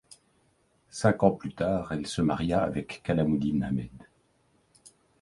Cinq ans plus tard, elle se maria avec Kamaluddin Ahmed.